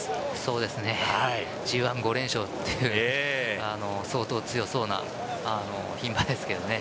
Ｇ１、５連勝という相当強そうな牝馬ですけどね。